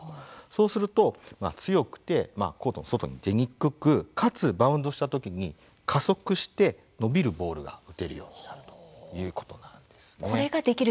そうすると強くてコートの外に出にくくかつ、バウンドしたときに加速して伸びるボールが打てるようになるということなんです。